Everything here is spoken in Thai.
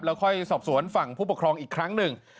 แล้วค่อยสอบสวนฝั่งผู้ปกครองอีกครั้งหนึ่ง